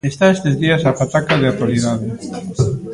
Está estes días a pataca de actualidade.